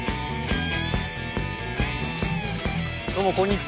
どうもこんにちは。